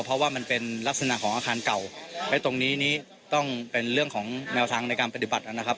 เพราะว่ามันเป็นลักษณะของอาคารเก่าและตรงนี้นี้ต้องเป็นเรื่องของแนวทางในการปฏิบัตินะครับ